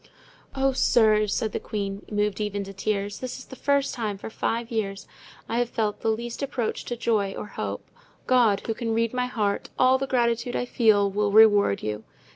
"Oh, sirs," said the queen, moved even to tears, "this is the first time for five years I have felt the least approach to joy or hope. God, who can read my heart, all the gratitude I feel, will reward you!